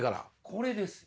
これです。